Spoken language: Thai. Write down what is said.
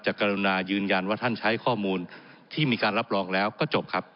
กรุณายืนยันว่าท่านใช้ข้อมูลที่มีการรับรองแล้วก็จบครับ